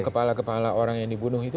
kepala kepala orang yang dibunuh itu